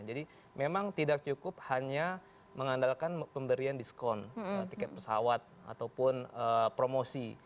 jadi memang tidak cukup hanya mengandalkan pemberian diskon tiket pesawat ataupun promosi